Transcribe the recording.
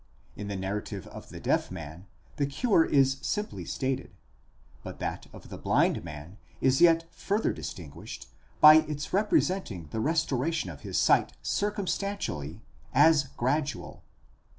In the narrative of the deaf man the cure is simply stated, but that of the blind man is yet further distinguished, by its representing the restoration of his sight circumstantially, as gradual.